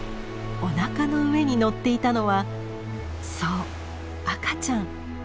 おなかの上にのっていたのはそう赤ちゃん。